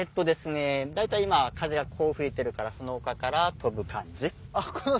大体今風がこう吹いているからその丘から飛ぶ感じ。